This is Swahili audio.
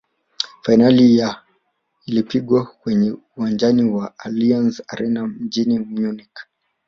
fainali ya ilipigwa kwenye uwanjani wa allianz arena mjini munich